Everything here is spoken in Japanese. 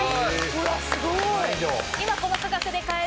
うわっすごい！